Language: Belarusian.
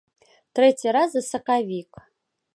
Трэці раз за сакавік.